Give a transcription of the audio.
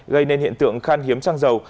gây nên hiện tượng khan hiếm xăng dầu